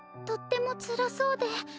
とってもつらそうで。